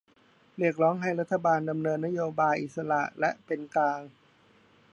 เรียกร้องให้รัฐบาลดำเนินนโยบายอิสระและเป็นกลาง